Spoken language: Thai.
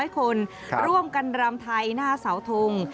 ๐คนร่วมกันรำไทยหน้าเสาทง